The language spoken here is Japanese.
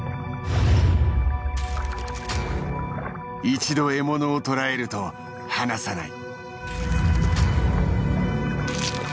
一度獲物を捕らえると離さない。